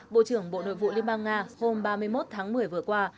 bộ trưởng bộ nội vụ liên bang nga hôm ba mươi một tháng một mươi vừa qua